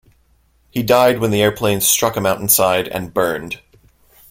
He died when the airplane struck a mountainside and burned.